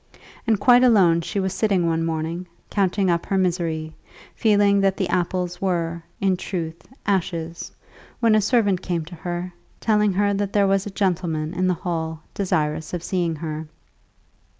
And quite alone she was sitting one morning, counting up her misery, feeling that the apples were, in truth, ashes, when a servant came to her, telling her that there was a gentleman in the hall desirous of seeing her.